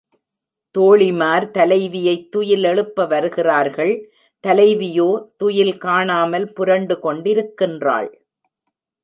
தோழிமார் தலைவியைத் துயில் எழுப்ப வருகிறார்கள் தலைவியோ துயில் காணாமல் புரண்டு கொண்டிருக்கின்றாள்.